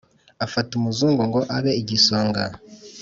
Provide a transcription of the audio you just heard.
afata umuzungu ngo abe igisonga